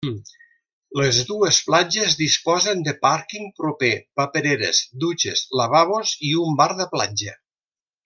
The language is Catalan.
Les dues platges disposen de pàrquing proper, papereres, dutxes, lavabos i un bar de platja.